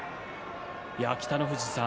北の富士さん